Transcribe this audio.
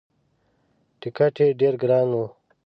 ټکت یې ډېر ګران وو.